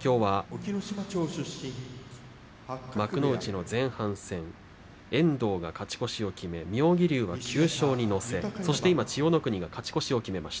きょうは幕内の前半戦遠藤が勝ち越しを決め、妙義龍が９勝２敗として千代の国が勝ち越しを決めました。